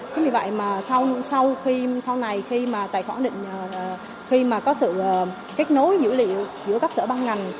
chính vì vậy mà sau này khi mà có sự kết nối dữ liệu giữa các sở băng ngành